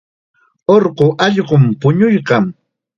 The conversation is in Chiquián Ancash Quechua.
Urqu allqum puñuykan.